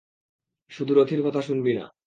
শুধু রথির কথা শুনবি না।